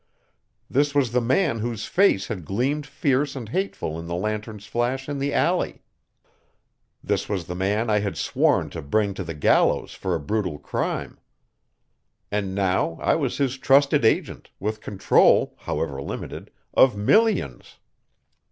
This was the man whose face had gleamed fierce and hateful in the lantern's flash in the alley. This was the man I had sworn to bring to the gallows for a brutal crime. And now I was his trusted agent, with control, however limited, of millions.